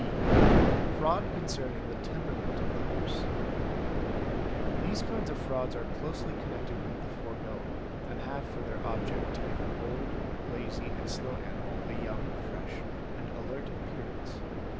(b) Fraud concerning the temperament of the horse. These kinds of frauds are closely connected with the foregoing and have for their object to give an old, lazy, and slow animal a young, fresh, ' and alert appearance.